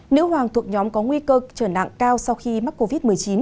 nữ hoàng thuộc nhóm có nguy cơ trở nặng cao sau khi mắc covid một mươi chín